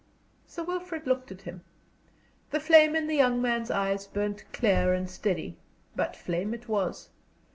Sir Wilfrid looked at him. The flame in the young man's eyes burned clear and steady but flame it was.